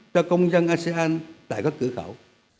cho công dân asean tại các cửa khảo